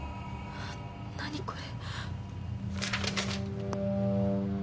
何これ。